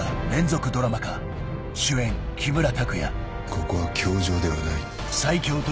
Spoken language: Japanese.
「ここは教場ではない」